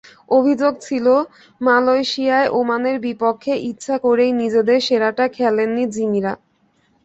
অভিযোগ ছিল, মালয়েশিয়ায় ওমানের বিপক্ষে ইচ্ছে করেই নিজেদের সেরাটা খেলেননি জিমিরা।